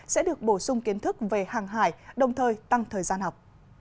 sẽ được bổ sung kiến thức về hàng hải đồng thời tăng thời gian học